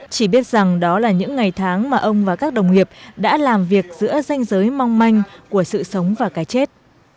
chỉ biết rằng đó là những ngày tháng mà ông và các đồng nghiệp đã làm việc giữa danh giới mong manh của sự sống và cái chết